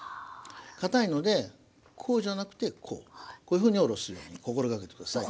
かたいのでこうじゃなくてこうこういうふうにおろすように心がけて下さい。